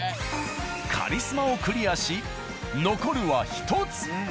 カリスマをクリアし残るは１つ。